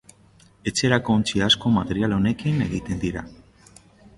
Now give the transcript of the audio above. Etxerako ontzi asko material honekin egiten dira.